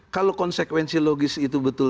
kalau konsekuensi logis itu betul